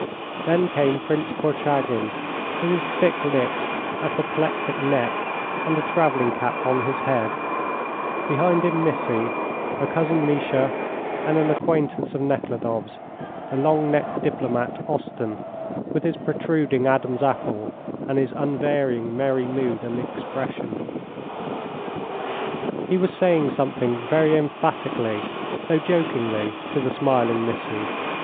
Then came Prince Korchagin, with his thick lips, apoplectic neck, and a travelling cap on his head; behind him Missy, her cousin Misha, and an acquaintance of Nekhludoff's the long necked diplomat Osten, with his protruding Adam's apple and his unvarying merry mood and expression. He was saying something very emphatically, though jokingly, to the smiling Missy.